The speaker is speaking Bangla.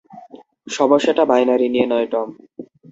সমস্যাটা বাইনারি নিয়ে নয়, টম।